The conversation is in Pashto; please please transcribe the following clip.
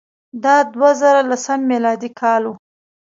دا د دوه زره لسم میلادي کال وو.